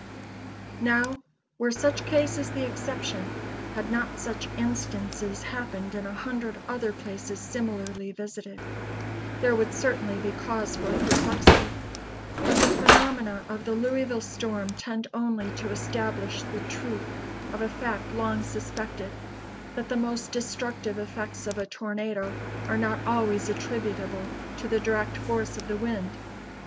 Now, were such cases the exception had not such instances happened in a hundred other places similarly visited there would certainly be cause for perplexity. But the phenomena of the Louisville storm tend only to establish the truth of a fact long suspected: that the most [Illustration: LOOKING EAST FROM TENTH AND MAIN, LOUISVILLE.] destructive effects of a tornado are not always attributable to the direct force of the wind.